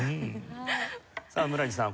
さあ村治さん